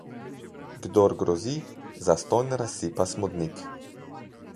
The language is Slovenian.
Kdor grozi, zastonj razsipa smodnik.